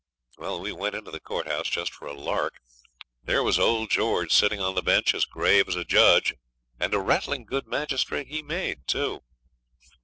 We went into the courthouse just for a lark. There was old George sitting on the bench as grave as a judge, and a rattling good magistrate he made too.